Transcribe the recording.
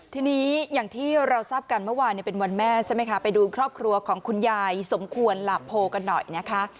ทีนี้อย่างที่เราทราบกันเมื่อวานเป็นวันแม่ใช่ไหมคะไปดูครอบครัวของคุณยายสมควรหลาโพกันหน่อยนะคะ